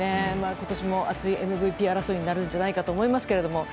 今年も熱いＭＶＰ争いになるんじゃないかと思いますけども。